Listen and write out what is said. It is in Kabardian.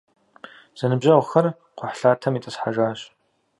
Зэныбжьэгъухэр кхъухьлъатэм итӏысхьэжащ.